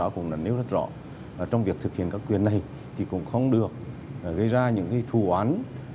cũng đã nêu rất rõ trong việc thực hiện các quyền này thì cũng không được gây ra những thù án